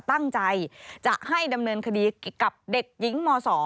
ตั้งใจจะให้ดำเนินคดีกับเด็กหญิงม๒